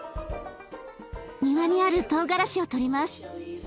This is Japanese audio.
庭にあるとうがらしを採ります。